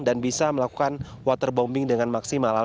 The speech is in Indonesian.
dan bisa melakukan waterbombing dengan maksimal